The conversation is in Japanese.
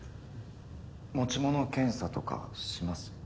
持ち物検査とかします？